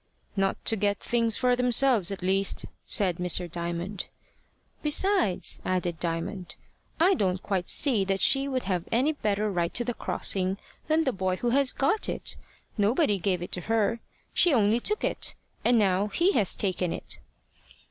"Not to get things for themselves, at least," said Mr. Raymond. "Besides," added Diamond, "I don't quite see that she would have any better right to the crossing than the boy who has got it. Nobody gave it to her; she only took it. And now he has taken it."